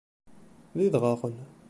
D idɣaɣen!